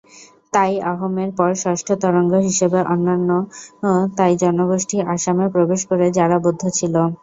তাই-অহোমের পর ষষ্ঠ তরঙ্গ হিসেবে অন্যান্য তাই জনগোষ্ঠী আসামে প্রবেশ করে যারা বৌদ্ধ ছিল।